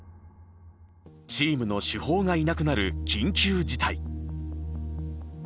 チームの主砲がいなくなる緊急事態。